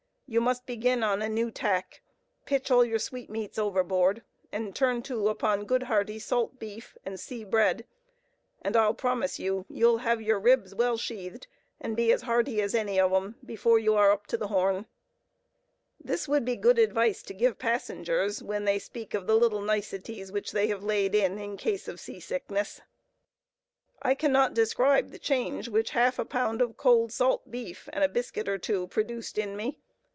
You must begin on a new tack—pitch all your sweetmeats overboard, and turn to upon good hearty salt beef and sea bread, and I'll promise you, you'll have your ribs well sheathed, and be as hearty as any of 'em, afore you are up to the Horn." This would be good advice to give passengers, when they speak of the little niceties which they have laid in, in case of sea sickness. I cannot describe the change which half a pound of cold salt beef and a biscuit or two produced in me.